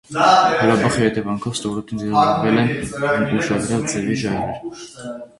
Հրաբխի հետևանքով ստորոտին ձևավորվել են ուշագրավ ձևի ժայռեր։